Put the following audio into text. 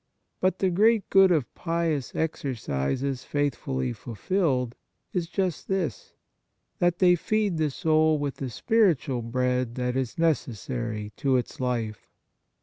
But the great good of pious exercises faithfully ful filled is just this, that they feed the soul with the spiritual bread that is necessary to its life.